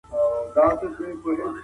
زه به سبا د موسیقۍ زده کړه وکړم.